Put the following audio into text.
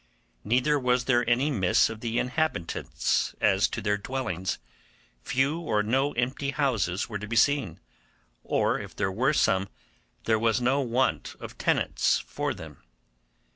Neither was there any miss of the inhabitants as to their dwellings—few or no empty houses were to be seen, or if there were some, there was no want of tenants for them.